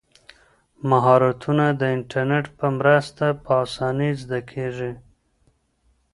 مهارتونه د انټرنیټ په مرسته په اسانۍ زده کیږي.